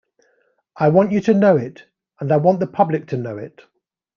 I want you to know it, and I want the public to know it.